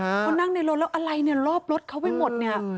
เขานั่งในรถแล้วอะไรรอบรถเขาไปหมด